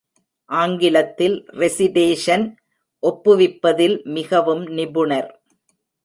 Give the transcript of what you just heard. ஆங்கிலத்தில் ரெசிடேஷன் ஒப்புவிப்பதில் மிகவும் நிபுணர்.